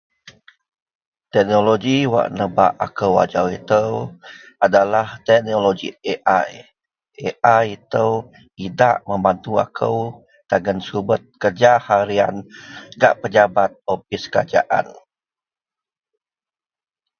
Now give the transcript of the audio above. teknologi wak nebak akou ajau itou adalah teknologi AI, AI itou idak membantu akou dagen subet kerja harian gak pejabat opis kerajaan